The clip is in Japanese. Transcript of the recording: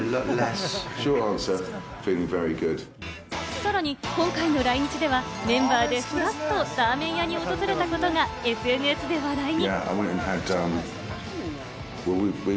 さらに今回の来日では、メンバーでフラっとラーメン屋に訪れたことがＳＮＳで話題に。